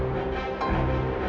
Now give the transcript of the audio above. pasti aku ninggal ya